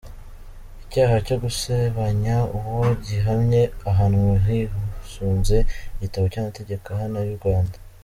Icyaha cyo gusebanya uwo gihamye ahanwa hisunze Igitabo cy’Amategeko Ahana y’u Rwanda.